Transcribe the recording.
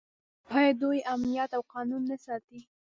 آیا دوی امنیت او قانون نه ساتي؟